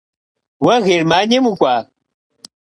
Уэ Германием укӏуа?